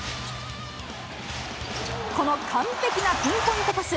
この完璧なピンポイントパス。